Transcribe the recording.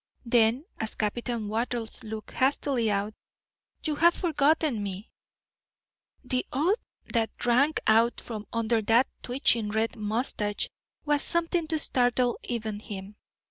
Then, as Captain Wattles looked hastily out, "You have forgotten me." The oath that rang out from under that twitching red moustache was something to startle even him.